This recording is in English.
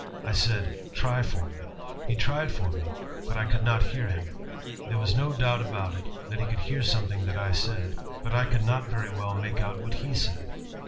I said: 'Try for me.' He tried for me, but I could not hear him. There was no doubt about it, that he could hear something that I said, but I could not very well make out what he said.